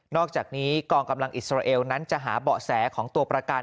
อกจากนี้กองกำลังอิสราเอลนั้นจะหาเบาะแสของตัวประกัน